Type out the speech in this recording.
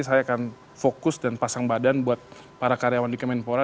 saya akan fokus dan pasang badan buat para karyawan di kemenpora